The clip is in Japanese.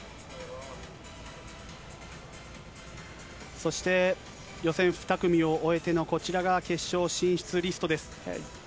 そして、予選２組を終えてのこちらが決勝進出リストです。